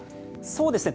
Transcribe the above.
そうですね。